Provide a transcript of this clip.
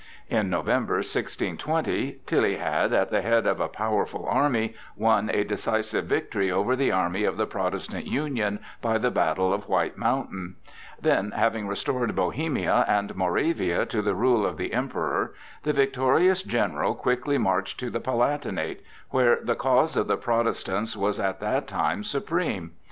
In November, 1620, Tilly had, at the head of a powerful army, won a decisive victory over the army of the Protestant Union by the battle of White Mountain; then, having restored Bohemia and Moravia to the rule of the Emperor, the victorious general quickly marched to the Palatinate, where the cause of the Protestants was at that time supreme.